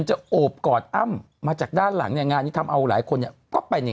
โอบกอดอ้ำมาจากด้านหลังเนี่ยงานนี้ทำเอาหลายคนเนี่ยก็ไปใน